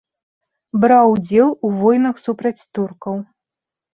Браў удзел у войнах супраць туркаў.